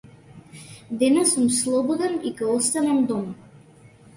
Денес сум слободен и ќе останам дома.